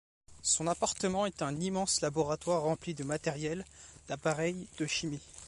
Son appartement est un immense laboratoire rempli de matériels, d'appareils, de chimie.